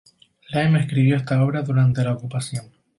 Lem escribió esta obra durante la ocupación.